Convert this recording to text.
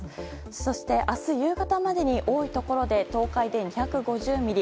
そして、明日夕方までに多いところで東海で２５０ミリ。